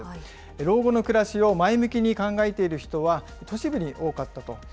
老後の暮らしを前向きに考えている人は都市部に多かったと。